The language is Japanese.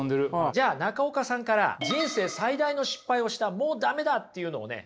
じゃあ中岡さんから「人生最大の失敗をしたもうダメだ」っていうのをね